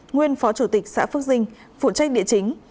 nguyên phó chủ tịch xã phước dinh phụ trách địa chính